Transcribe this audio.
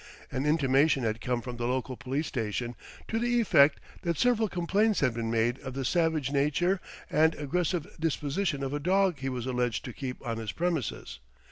An intimation had come from the local police station to the effect that several complaints had been made of the savage nature and aggressive disposition of a dog he was alleged to keep on his premises.